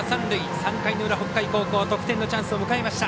３回の裏、北海高校得点のチャンスを迎えました。